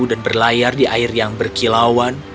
dan berlayar di air yang berkilauan